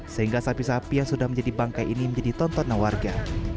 sehingga sapi sapi yang sudah menjadi bangkai ini menjadi tontonan warga